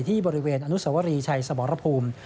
ที่บริเวณอนุสวรีชัยสมรภูมิ